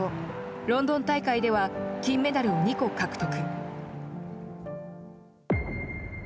ロンドン大会では金メダルを２個獲得。